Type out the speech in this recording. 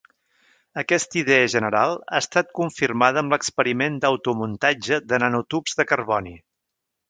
Aquesta idea general ha estat confirmada amb l'experiment d'automuntatge de nanotubs de carboni.